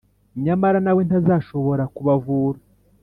Nyamara na we ntazashobora kubavura,